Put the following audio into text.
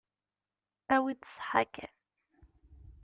Awi-d ṣṣeḥḥa kan.